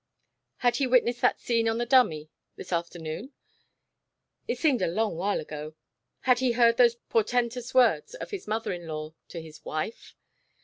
Had he witnessed that scene on the dummy this afternoon? it seemed a long while ago had he heard those portentous words of his mother in law to his wife?